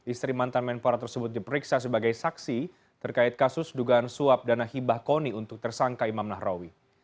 istri mantan menpora tersebut diperiksa sebagai saksi terkait kasus dugaan suap dana hibah koni untuk tersangka imam nahrawi